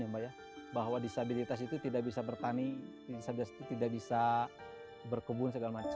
ya mbak ya bahwa disabilitas itu tidak bisa bertani tidak bisa berkebun segala macam